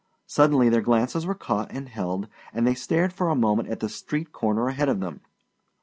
Suddenly their glances were caught and held, and they stared for a moment at the street corner ahead of them.